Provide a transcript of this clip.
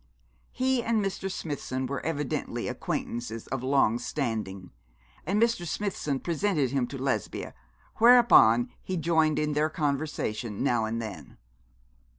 He and Mr. Smithson were evidently acquaintances of long standing, and Mr. Smithson presented him to Lesbia, whereupon he joined in their conversation now and then.